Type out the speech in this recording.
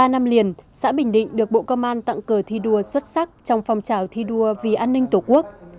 ba năm liền xã bình định được bộ công an tặng cờ thi đua xuất sắc trong phong trào thi đua vì an ninh tổ quốc